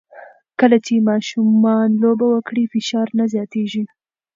کله چې ماشومان لوبه وکړي، فشار نه زیاتېږي.